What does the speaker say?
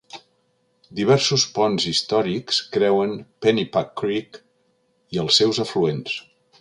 Diversos ponts històrics creuen Pennypack Creek i els seus afluents.